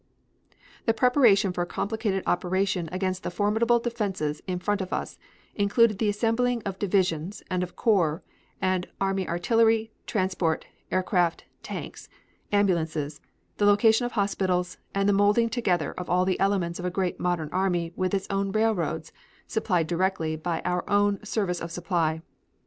The preparation for a complicated operation against the formidable defenses in front of us included the assembling of divisions and of corps and army artillery, transport, aircraft, tanks, ambulances, the location of hospitals, and the molding together of all of the elements of a great modern army with its own railheads, supplied directly by our own Service of Supply.